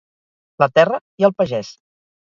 La terra i el pagès.